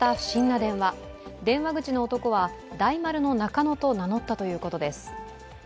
電話口の男は「大丸のナカノ」と名乗ったということです。